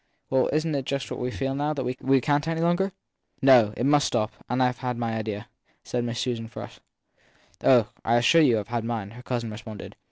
Well, isn t just what we feel now that we can t any longer ? No it must stop. And I ve my idea/ said Susan Frush. Oh, I assure you I ve mine ! her cousin responded.